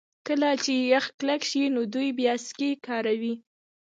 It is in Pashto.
کله چې یخ کلک شي دوی بیا سکي کاروي